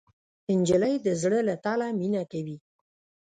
نجلۍ د زړه له تله مینه کوي.